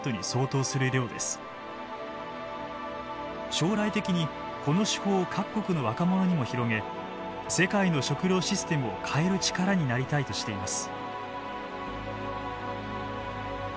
将来的にこの手法を各国の若者にも広げ世界の食料システムを変える力になりたいとしています。